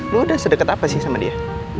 lo udah sedeket apa sih sama dia